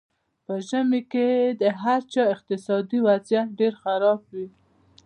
په ژمي کې د هر چا اقتصادي وضیعت ډېر خراب وي.